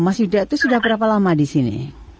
mas yuda itu sudah berapa lama di sini